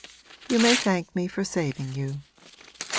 You may thank me for saving you!